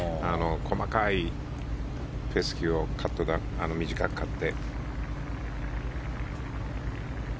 細かいフェスキューを短く刈って。